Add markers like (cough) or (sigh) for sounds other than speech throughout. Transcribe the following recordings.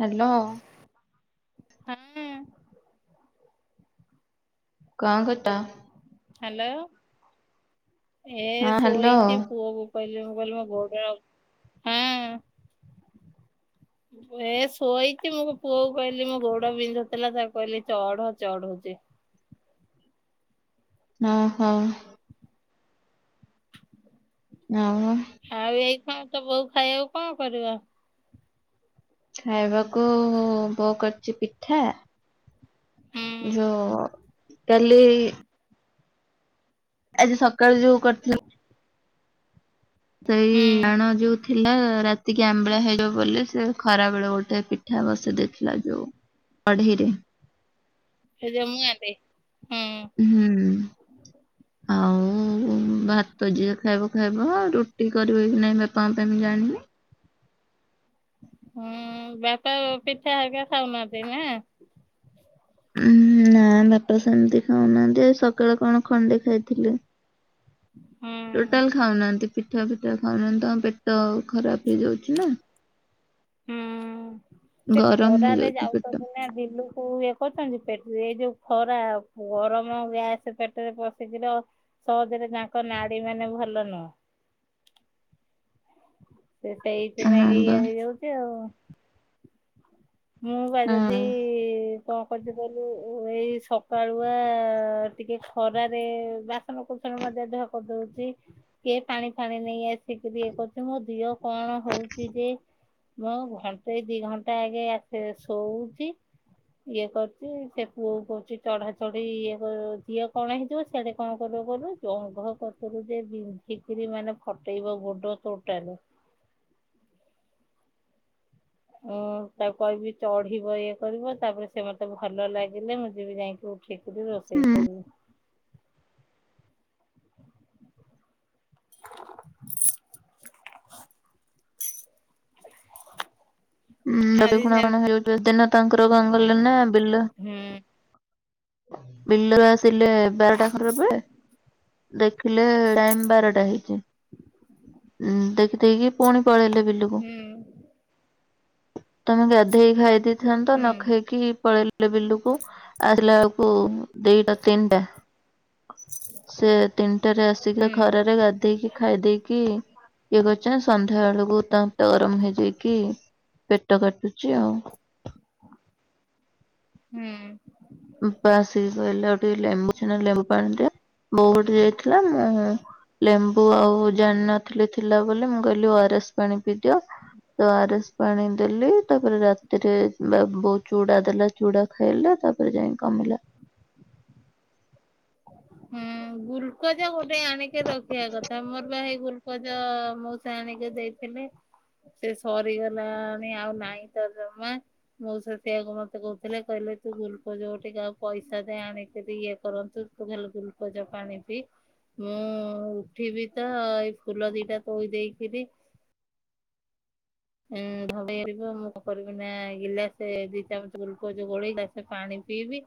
Hello. ହନ। କାଁ କରୁତ? ହ୍ୟାଲୋ? ଏ ହଁ ହ୍ୟାଲୋ ସୋଇଛି ପୁଅ ମୋବାଇଲ ରେ ମୁଁ କହିଲି କଣ ହଁ। ଏ ଶୋଇଛି ମୋ ପୁଅ କ କହିଲି ମୋ ଗୋଡ ବିନ୍ଧୁଥିଲା ତାକୁ କହିଲି ଚଢ ଚଢଉଛି। ଓ ହୋ। ହଉ। ଆଉ ଏଇ କଣ ତ ବୋଉ ଖାଇବାକୁ କଣ କରିବା? ଖାଇବାକୁ ପ କରଚି ପିଠା ହୁଁ ଯଉ କାଲି। ଆଜି ସକାଳୁ ଯୋଉ କରିଥିଲ ସେଇ ହୁଁ। ଆଣ ଯୋଉ ଥିଲା ରାତିକି ଆମ୍ବିଳା ହେଇଯିବ ବୋଲି ସେ ଖରା ବେଳେ ଗୋଟେ ପିଠା ବସ ଦେଇଥିଲା ଯୋଉ କଢେଇରେ। ସେ ଜମୁ ଆଲେ ହୁଁ। ଆଉ ଭାତ ଯିଏ ଖାଇବ ଖାଇବ ରୁଟି କରିବେ କି ନହିଁ ବାପା ମାଙ୍କ ପାଇଁ ମୁ ଜାଣିନି ହୁଁ ବାପା ପିଠା ହେିକ ଖାଉନାହାନ୍ତି ନା ଉ ନା ବାପା ସେମିତି ଖାଉନାହାନ୍ତି ଆ ସକାଳେ କଣ ଖଣ୍ଡେ ଖାଇଥିଲେ। ହୁଁ। ଟୋଟାଲ ଖାଉନାହାନ୍ତି ପିଠା ଫିଠା ଖାଉନାହାନ୍ତି ତାଙ୍କ ପେଟ ଖରାପ ହେଇଯାଉଛି ନା। ହୁଁ। ସେ ଗରମ ଖରାରେ ହେଇଯାଉଛି ପେଟ ଯାଉଛନ୍ତି ନା ବିଲୁକୁ ଇଏ କରୁଛନ୍ତି ପେଟ ଏଇ ଯୋଉ ଖରା ଗରମ ଗ୍ୟାସ ପେଟରେ ପଶିକି ତ ସହଜରେ ତାଙ୍କ ନାାରୀ ମାନେ ଭଲ (unintelligible) ସେଟ ହଁ ଏଇପନାାଗେ ବା। ଇଏ ହେଇଯାଉଛି ଆଉ ମୁଁ ବା ଯଦି ହଁ। କଣ କରିଛି କିଲୁ ଏଇ ସକାଳୁଆ ଟିକେ ଖରାରେ ବାସନ କୁସନ ମଜା ଧୁଆ କରିଦଉଛି କିଏ ପାଣି ଫାଣି ନେଇ ଆସି ସେଠିକ ଇଏ କରୁଛି ମୋ ଦିଅ କଣ ହଉଛି ଯେ ମୁଁ ଘଣ୍ଟେଇ ଦି ଘଣ୍ଟା ଆଗେ ସେ ଶୋଉଛି ଇଏ କରୁଛି ସେ ପୁଅ କହୁଛି ଚଢା ଚଢି ଇଏ କର ଝିଅ କଣ ହେଇଥିବ ସେଆଠେ କଣ କରିବ କଲୁ ଜଙ୍ଘ କରଥିଲୁ ଯେ ବିନ୍ଧିକିରି ମାନେ ଫଟେଇବ ଗୋଡ ତୋଟାଲ ଉ ତାକୁ କହିବି ଚଢିବ ଇଏ କରିବ ତାପରେ ସେ ମତେ ଭଲ ଲାଗିଲେ ମୁଁ ଯିବି ଯାଇକି ଉଠ କେେିକଦ ଦ ସେଇ କର ହୁଁ ହଁ ରବି ଆଜି କୁଣ କଣ ସେମିତି ହେଉଛି ଦିନ ତାଙ୍କର ଗଙ୍ଗଲ ନା ବିଲ ହୁଁ। ବିଲରୁ ଆସିଲେ ବାରଟା (unintelligible) ଦେଖିଲେ ଟାଇମ ବାରଟା ହେଇଛି। ଦେଖିଦେଇକି ପୁଣି ପଳେଇଲେ ବିଲୁକୁ ହୁଁ ତମେ ଗା ଧେଇ କି ଖାଇ ଦେଇଥାନ୍ତ ହୁଁ ନ ଖାଇକି ପଳେଇଲ ଲେ ବିଲୁକୁ ଆସିଲା ଅଳକୁ କୁ ଦି ଟା ତିନ ଟା ସେ ତିନିଟାରେ ଆସିଲେ ହୁଁ ଖରାରେ ଗାଧେଇକି ଖାଇ ଦେଇକି ଇଏ କରିଚନ୍ତି ସନ୍ଧ୍ୟା ବେଳକୁ ତାଙ୍କ ପେଟ ଗରମ ହେଇଯାଇକି ପେଟ କାଟୁଚି ଆଉ। ହୁଁ। ଉଁ ପା ଆସିକି କହିଲେ କେ ଲେମ୍ୱୁ ଛେ ନା ଲେମ୍ବୁ ପାଣି ଦିଅ। ବୋଉ କୁଆଡେ ଯାଇଥିଲା ମୁଁ ଲେମ୍ବୁ ଆଉ ଜାଣିନଥିଲି ଥିଲା ବୋଲି ମୁଁ କହିଲି ଓ ଆର ଏସ୍ ପାଣି ପିଇଦିଅ ତ ଓ ଆର ଏସ୍ ପାଣି ଦେଲି ତାପରେ ରାତିରେ ବା ବୋଉ ଚୁଡା ଦେଲା ଚୁଡା ଖାଇଲେ ତାପ ତା ପରେ ଯାଇଁ କମିଲା। ହୁଁ ଗୁଲକୋଚ୍ ଗୋ ଟେ ଆଣିକି ରଖିବା କଥା ମୋର ପା ହେଇ ଗ୍ଲୁ ଗୁଲକୋଜ ମଉସା ଆଣିକି ଦେଇଥିଲେ ସେ ସରିଗଲାଣି ଆଉ ନାଇଁ ତ ଜମା ମଉସା ସେଆକୁ ମତେ କହୁଥିଲେ କହିଲେ ତୁ ଗୁଲକୋଜ ଟିକେ ଆଉ ପଇସା ଦେଇ ଆଣିକିରି ଇଏ କରନ୍ତୁ ବୁଝିଲୁ। ଗୁଲକୋଜ ପାଣି ପିଇ ମୁଁ ଉଠିବି ତ ଏଇ ଫୁଲ ଦିଟା ତୋଳି ଦେଇକିରି ଉଁ ଧେଇିବ ମୁଁ କଣ କରିବି ନା ଗିଲାସ ଦି ଚାମଚ ଗୁଲକୋଜ ଗୋଳେଇ ଗ୍ଲାସ ପାଣି ପିଇବି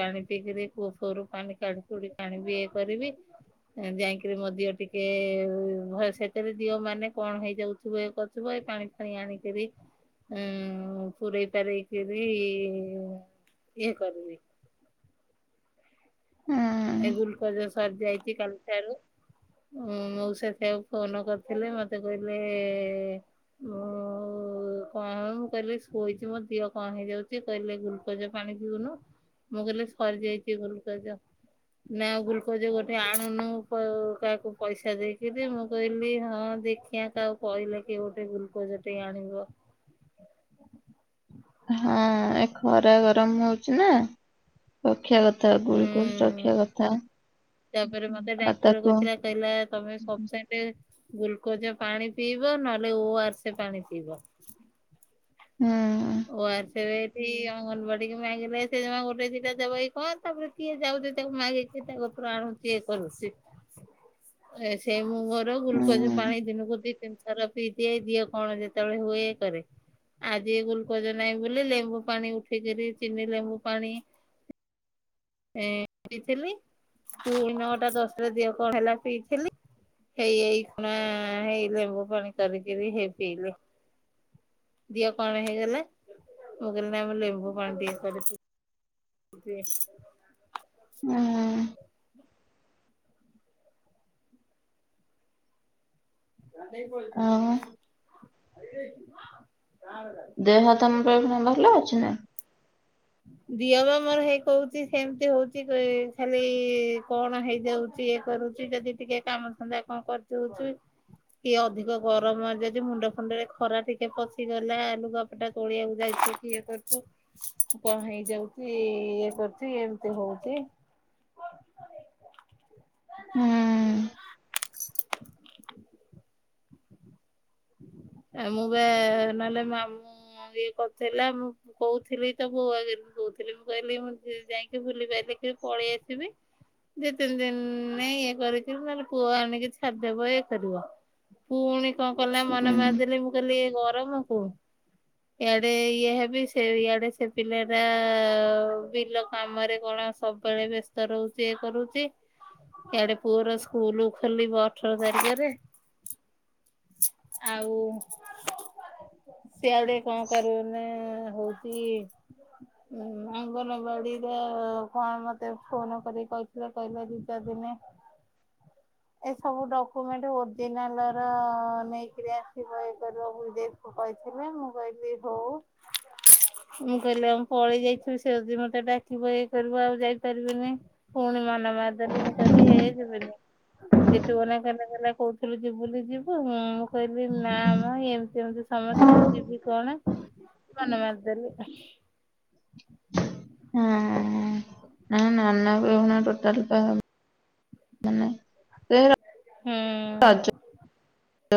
ପାଣି ଇଁ ପିଇକିରି କୂଅ ରୁ ଫୁଅ ରୁ ପାଣି କାଢି କୁଢ଼ି ଆଣିବି ଇଏ କରିବି ଯାଇକିରି ମୋ ଦିହ ଟିକେ ଭ ସେଥିରେ ଦିହ ମାନେ କଣ ହେଇଯାଉଥିବ ଏକ ଥିବ ପାଣି ଫାଣି ଆଣିକରି ଉଁ ପୁରେଇ ପାରେଇ କିରି ଇଏ କରିବି। ହୁଁ। ଏ ଗୁଲକୋଜ ସରିଯାଇଚି କାଲି ଠାରୁ ମଉସା ସେଇୟାକୁ ଫୋନ କରିଥିଲେ ମତେ କହିଲେ ମୁ କଣ ମୁଁ କହିଲି ଶୋଇଚି ମୋ ଦିହ କଣ ହେଇଯାଉଚି କହିଲେ ଗୁଲକୋଜ ପାଣି ପିଉନୁ ମୁଁ କହିଲି ସରିଯାଇଚି ଗୁଲକୋଜ। ନା ଗ୍ଲୁକୋଜ ଗୋଟେ ଆଣୁନୁ କୋ କାହାକୁ ପଇସା ଦେଇକିରି ମୁଁ କହିଲି ହଁ ଦେଖିଆ କାହାକୁ କହିଲେ କି ଗୋଟେ ଗ୍ଲୁକୋଜ ଟେ ଆଣିବ। ହଁ ଏ ଖରା ଗରମ ହଉଛି ନା। ରଖିଆ କଥା ହୁଁ ଗୁଲକୋଜ ରଖିଆ କଥା ତାପରେ ମତେ ଆଉ ଡାକ୍ତର ତାକୁ କହିଥିଲା କହିଲା ତମେ ସିଫିସେଣ୍ଟ ଗ୍ଲୁକୋଜ ପାଣି ପିଇବ ନହେଲେ ଓ ଆର ସ ପାଣି ପିଇବ। ହୁଁ। ଓ ଆର ଏସ ଅଙ୍ଗନବାଡି କି ମାଗିଲେ ସେ ଗୋଟେ ଦିଟା ଦବ କି କଣ ତାପରେ କିଏ ଯାଉଛି ତାକୁ ମାଗି ତାର ଆଣୁଛି କରୁଛି ସେ ମୁ ଘର ଗୁଲକୋଜ ହୁଁ ପାଣି ଦିନକୁ ଦି ତିନି ଥର ପିଇ ଦିଏ ଦିହ କଣ ଯେତେବେଳେ ହୁଏ କରେ ଆଜି ଜ ନାହିଁ ବୋଲି ଲେମ୍ବୁ ପାଣି ଉଠେଇକରି ଚିନି ଲେମ୍ବୁ ପାଣି ପିଇଥିଲି ପୁଣି ନଅଟା ଦଶଟା ଦିହ କଣ ହେଲା ପିଇଥିଲି ହେଇ ଏଇ ଖୁଣା ହେଇ ଲେମ୍ବୁ ପାଣି କରିକିରି ହେଇ ପିଇଲି। ଦିଅ କଣ ହେଇଗଲେ ମୁଁ କହିଲ ନା ଲେମ୍ବୁ ପାଣି ଟିକେ କରିଥିଲ। ହେ ହୁଁ ହଁ। ଖାଇ ଦାଇଛୁ। ଦେହ ତମର ଏଖୁନା ଭଲ ଅଛି ନାଁ? ଦିହ ବା ମୋର ହେଇ କହୁଛି ସେମିତି ହଉଛି ଖାଲି କଣ ହେଇଯାଉଛି ଇଏ କରୁଛି ଯଦି ଟିକେ କାମ ଧନ୍ଦା କଣ କରିଦଉଚୁ କିଏ ଅଧିକ ଗରମ ଯଦି ମୁଣ୍ଡ ଫୁଣ୍ଡରେ ଖରା ଟିକେ ପଶିଗଲା ଲୁଗା ପଟା ତୋଳିିବାକୁ ଯାଇଛି କି ଇଏ କରୁଛ କଣ ହେଇ ଯାଉଛି ଏ କରଛି ଏମିତି ହଉଛି। ହୁଁ। (unintelligible) ଆ ମୁଁ ବା ମାନେ ମୁ ବି ମୁଁ କହୁଥିଲି ତ ବୋଉ ଆଗାରେ କହୁଥିଲି ମୁଁ କହିଲି ମୁଁ ଯାଇକି ବୁଲି ପାରଲିି କି ପଳେଇ ଆସିବି ଯେ ତିନି ଦିନ ଇଏ କରିକି ନହେଲେ ପୁଅ ଆଣିକି ଛାଡିଦବ କରିବ ପୁଣି କଣ? କଲା ମନ ହୁଁ ମାରିଦେଲି ମୁଁ କହିଲି ଗରମ କୁ ଆଡେ ଇଏ ହେବି ସେ ଇଆଡେ ସେ ପିଲା ଟା ବିଲ କାମରେ କଣ ସବୁବେଳେ ବ୍ୟସ୍ତ ରହୁଛି ଇ କରୁଛି ଇ ଆଡେ ପୁଅର ସ୍କୁଲ ଖୋଲିବ ଅଠର ତାରିଖରେ। ଆଉ ସିଆଡେ କଣ କରୁନେ ହଉଛି ଅଙ୍ଗନବାଡିରେ କଣ ମତେ ଫୋନ କରି କହିଥିଲେ କହିଲେ ଦି ଚା ଦିନ ଏ ସବୁ ଡକୁମେଣ୍ଟ ଓରଜିନାଲ ର ନେଇକରି ଆସିବ ଇଏ କହିଥିଲେ ମୁଁ କହିଲି ହଉ ମୁଁ କହିଲି ଆମ ପଳେଇ ଯାଇଥିଲ ସେ ଦିନ ଠାରୁ ଡାକିବ କରିବ ଆଉ ଯାଇପାରିବିନି। ପୁଣି ମନ ମାରିଦେଲି ମୁଁ କହିଲି ହେ ଯିବନି। ଯେଠୁ ଗଲେ କଲେ କଲେ କହୁଥିଲୁ ଯିବୁ ବୋଲିକୀ? ଁ ମୁଁ କହିଲି ନା ମ ଏମିତି ଏମିତି ସମସ୍ତେ ଆଉ ଯିବି କଣ? ମାନ ମାରି ଦେଲିଆଉ। ହଁ। ନା ନାନଆ କୁ ଖି ଟୋଟାଲ ଟା ହବ ସେ ହୁଁ ରାଜ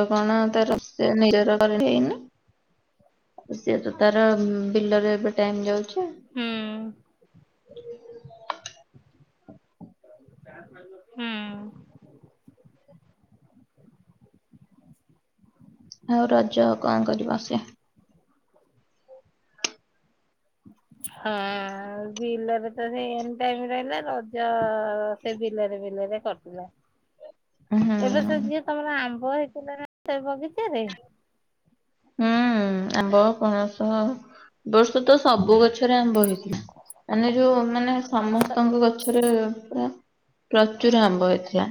କଣ ତାର (unintelligible) (unintelligible) ସିଏତ ତାର ବିଲରେ ଏବେ ଟାଇମ ଯାଉଛି। ଆଚ୍ଛା। ହୁଁ। ହୁଁ। ଆଉ ରଜ କଣ କରିବ (unintelligible) ହଁ ବିଲରେ ତ ସେ ଟାଇମ ରହିଲା ରଜ ସେ ବିଲରେ ବିଲରେ କଟିଲା। ହୁଁ ଏବେ ସେ ଯିଏ ହୁଁ ତମର ଆ (unintelligible) ଆମ୍ବ ପଣସ ବର୍ଷ ତ ସବୁ ଗଛରେ ଆମ୍ବ ହେଇ ମାନେ ଯୋଉ ମାନେ ସମସ୍ତଙ୍କ ଗଛରେ ପୁରା ପ୍ରଚୁର ଆମ୍ୱ ହେଇଥିଲା।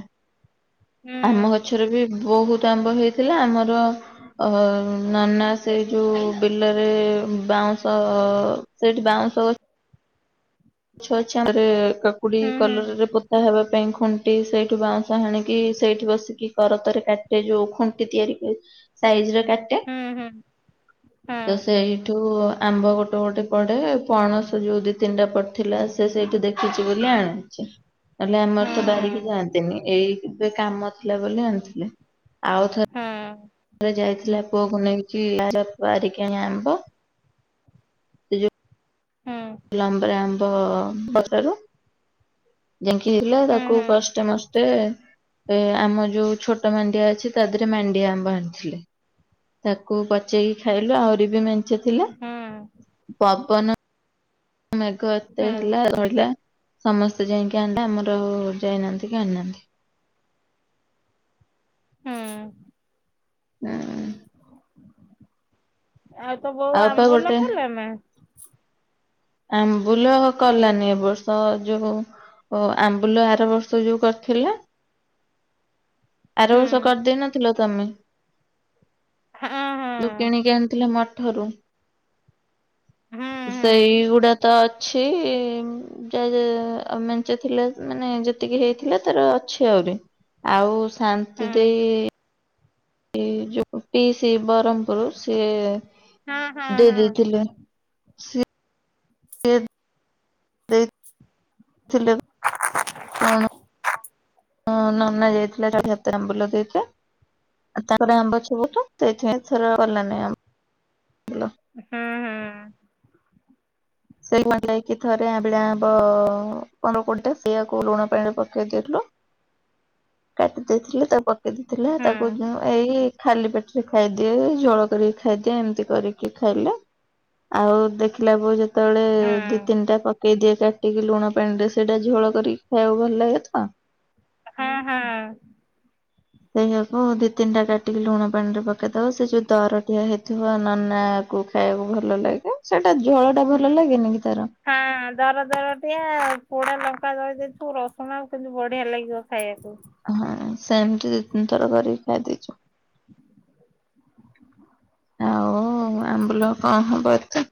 ହୁଁ ଆମ ଗଛରେ ବି ବହୁତ ଆମ୍ବ ହେଇଥିଲା ଆମର ଅ ନନା ସେଇ ଯୋଉ ବିଲରେ ବାଉଁଶ ସେଇଠି ବାଉଁଶ ଗ ଛ ଛାରେ କାକୁଡି ହୁଁ ହୁଁ କଲରା ରେ ପୋତା ହେ ଖୁଣ୍ଟି ସେଇଠୁ ବାଉଁଶ ହାଣିକି ସେଇଠି ବସିକି କରତରେ କାଟେ ଯୋଉ ଖୁଣ୍ଟି ତିଆରି ହୁଏ। ସାଇଜ ରେ କାଟେ ହୁଁ ହୁଁ ତ ସେଇଠୁ ଆମ୍ବ ଗୋଟେ ଗୋଟେ ପଡେ ପଣସ ଯୋଉ ଦି ତିନିଟା ପ ଥିଲା ସେ ସେଇଠି ଦେଖିଚି ବୋଲି ଆଣିଚି। ହେଲେ ଆମର ହୁଁ ତ ହୁଁ ବାରିକି ଯାଆନ୍ତିନି ଏଇ ଏବେ କାମ ଥିଲା ବୋଲି ଆଣିଥିଲେ। ଆଉ ଥରେ ହୁଁ। ଯାଇଥିଲା ପୁଅକୁ ନେଇକି (unintelligible) ବାରିକି ଆଣି ଆମ୍ବ ହୁଁ ହୁଁ ଲମ୍ବେରା ଆମ୍ବ ବସାରୁ ୟାଙ୍କି ଥିଲା ହୁଁ ତାକୁ କଷ୍ଟେମସ ସେ ଏ ଆମ ଯଉ ଛୋଟ ମାଣ୍ଡିଆ ଅଛି ତା ଦିହରେ ମାଣ୍ଡିଆ ଆମ୍ବ ଆଣିଥିଲେ। ତାକୁ ପଚେଇକି ଖାଇଲୁ ଆହୁରି ବି ମେନ ଚେ ଥିଲେ। ହୁଁ ବନ ମେଘ ଏତେ ହୁଁ ହେଲା (unintelligible) ଲା। ସମସ୍ତେ ଯାଇକି ଆଣଲେ ଆମର ଯାଇନାହାନ୍ତି କି ଆଣିନାହାନ୍ତି। ହୁଁ। ହଁ। ଆଉ ତ ବୋଉ ଆଉ ପା ଆମ୍ବୁଲ ଗୋଟେ କରୁନାହାନ୍ତି ନା? ଆମ୍ବୁଲ କଲାନି, ଏ ବର୍ଷ ଯୋଉ ଆମ୍ବୁଲ ଆର ବର୍ଷ ଯୋଉ କରିଥିଲା ଆର ହୁଁ ବର୍ଷ କରିଦେଇ ନଥିଲ? ତମେ ହଁ ହଁ ଯଉ କିଣିକି ଆଣିଥିଲ ମ ଠାରୁ ହଁ ହଁ ସେଇ ତ ଅଛି ଯଦି ଅ ମେଞ୍ଚେ ଥିଲେ ମାନେ ଯେତିକି ହେଇଥିଲେ ତାର ଅଛି ଆହୁରି ଆଉ ହଁ ଶାନ୍ତି ଦେଇ। ଏ ଯଉ ପିଇସି ବରମ୍ପୁରୁ ସିଏ (unintelligible) ହୁଁ ହୁଁ ଦେଇ ଦେଇଥିଲେ। ସେ। ସିଲେ। କଣ? ହଁ ନନା ଯାଇଥିଲା (unintelligible) ତାର ଲେମ୍ବୁ (unintelligible) (unintelligible) ହଁ, ହଁ। (unintelligible) ପନ୍ଦର କୋଡିଏ ଟା ସେଇଆକୁ ଲୁଣ ପାଣିରେ ପକେଇ ଦେଇଥିଲୁ, କାଟି ଦେଇଥିଲୁ, ତାପ ଦେଇଥିଲେ ତାକୁ ଉଁ ଏଇ ଖାଲି ପେଟରେ ଖାଇଦିଏ, ଜୋଳ କରିକି ଖାଇଦିଏ, ଏମିତି କରିକି ଖାଇଲେ, ଆଉ ଦେଖିଲା ବଳ ସେତେବେଳେ ହଁ ଦି ତିନିଟା କ ପକେଇଦିଏ କାଟିକି ଲୁଣ ପାଣିରେ, ସେଇଟା ଝୋଳ କରିକି ଖାଇବାକୁ ଭଲ ଲାଗେ ତ। ହଁ, ହଁ। ସେଇଆକୁ ଦି ତିନିଟା କାଟିକି ଲୁଣ ପାଣିରେ ପକେଇ ଦବ ସେ ଯଉ ଦରଟିଆ ହେଇଥିବ ନନାକୁ ଖାଇବାକୁ ଭଲ ଲାଗେ। ଝୋଳ ଟା ଭଲ ଲାଗେନି କି ତାର ହଁ ଦର ଦରଟିଆ ପୋଡାଲ ଙ୍କର (unintelligible) ଥିବୁ ରସୁଣ ଆଉ କିନ୍ତୁ ବଢିଆ ଲାଗିବ ଖାଇବାକୁ। ହଁ ସେମିତି ଦି ତିନିଥର କରିକି ଖାଇଦେଇଚୁ। ଆଉ ଆମ୍ବୁଲ କଣ ହବ ଏତେ?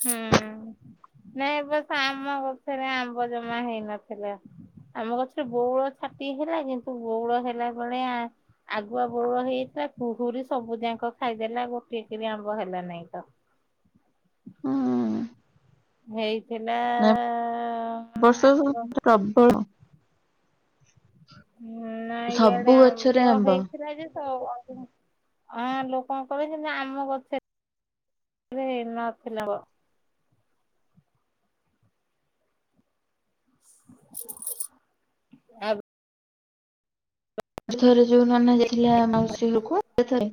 ହୁଁ, ନାଇଁ ବସ ଆମ ଗଛରେ ଆମ୍ବ ଜମା ହେଇନଥିଲା। ଆମ ଗଛରେ ବଉଳ ଛାଟି ହେଲା କିନ୍ତୁ ବଉଳ ହେଲା ବଳିଆ ଆଗୁଆ ବଉଳ ହେଇଯାଇଥିଲା। ପୁହୁରୀ ସବୁ ଯାକ ଖାଇଦେଲା ଗୋଟିଏକରି ଆମ୍ବ ହେଲା ନାଇଁ ତ। ହୁଁ ଏଇ ଏ ବର୍ଷ ଆଠ ପ୍ରବଳ (unintelligible) ସବୁ ଗଛରେ ଆମ୍ବ। ଆ ଲୋକନଙ୍କର କିନ୍ତୁ ଆମ ଗଛରେ ହେଇ ନଥିଲା। ଆ ଥରେ ଯୋଉ ନନା ଯାଇଥିଲା ମାଉସୀ ଘରକୁ ସେଥିରେ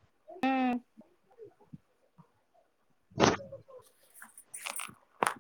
ହୁଁ।